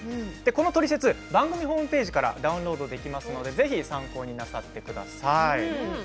このトリセツ番組ホームページからダウンロードできますのでぜひ参考になさってください。